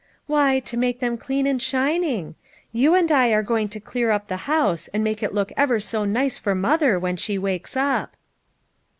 " Why, to make them clean and shining. You and I are going to clear up the house and make it look ever so nice for mother when she wakes up."